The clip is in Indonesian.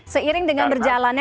seiring dengan berjalannya